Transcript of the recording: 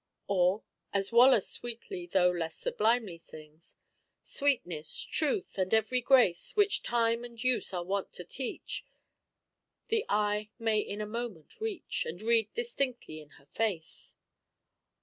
Or, as Waller sweetly, though less sublimely sings: Sweetness, truth, and every grace Which time and use are wont to teach, The eye may in a moment reach, And read distinctly in her face.